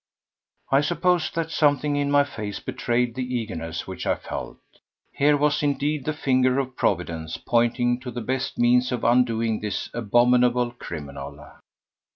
I suppose that something in my face betrayed the eagerness which I felt. Here was indeed the finger of Providence pointing to the best means of undoing this abominable criminal.